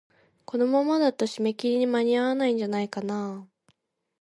このままだと、締め切りに間に合わないんじゃないかなあ。